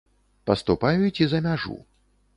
Паступаюць і за мяжу.